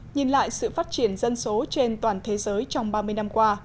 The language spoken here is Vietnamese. nhìn lại sự phát triển dân số trên toàn thế giới trong ba mươi năm qua